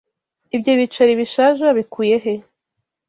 Ibyo biceri bishaje wabikuye he?